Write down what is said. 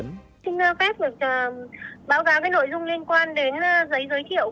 xin phép được báo cáo với nội dung liên quan đến giấy giới thiệu